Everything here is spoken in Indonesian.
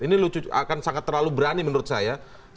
ini lucu akan sangat terlalu berani menurut saya